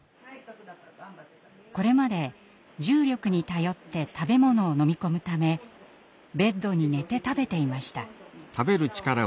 これまで重力に頼って食べ物を飲み込むためベッドに寝て食べていました。